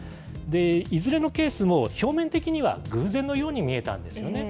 いずれのケースも、表面的には偶然のように見えたんですよね。